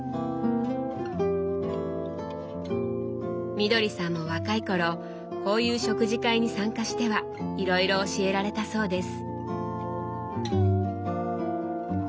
みどりさんも若い頃こういう食事会に参加してはいろいろ教えられたそうです。